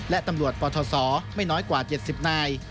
และตำรวจปทศไม่น้อยกว่า๗๐นาย